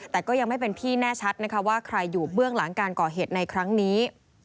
แต่ก็ยังไม่เป็นที่แน่ชัดนะคะว่าใครอยู่เบื้องหลังการก่อเหตุในครั้งนี้